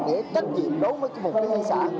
để trách nhiệm đối với một cái di sản